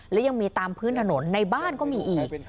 และยังมีตามพื้นถนนในบ้านก็มีอีก